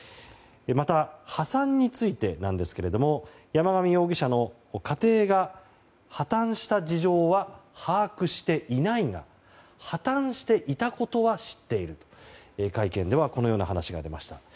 また、破産についてなんですが山上容疑者の家庭が破綻した事情は把握していないが破綻していたことは知っていると会見ではこのような話がありました。